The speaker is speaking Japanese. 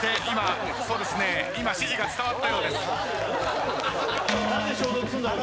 今指示が伝わったようです。